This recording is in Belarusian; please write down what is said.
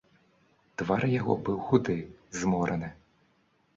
Твар яго быў худы, змораны.